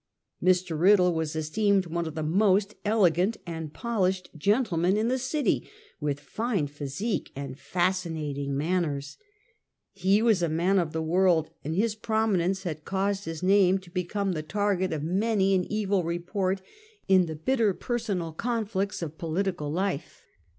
Mr. Riddle was esteemed one of the most elegant and polished gentlemen in the city, with fine physique and fascinating manners. He was a man of the world, and his prominence had caused his name to become 108 Half a Century. the target for many an evil report in the bitter per sonal conflicts of political life.